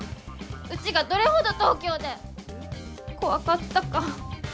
うちがどれほど東京で怖かったか。